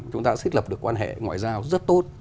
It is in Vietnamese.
chúng ta đã xếp lập được quan hệ ngoại giao rất tốt